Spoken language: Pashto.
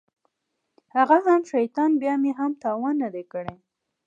هغه هم شيطان بيا مې هم تاوان نه دى کړى.